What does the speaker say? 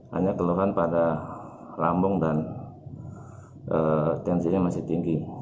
hanya keluhan pada lambung dan tensinya masih tinggi